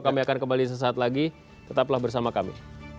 kami akan kembali sesaat lagi tetaplah bersama kami